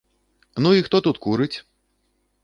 Ну і хто тут курыць?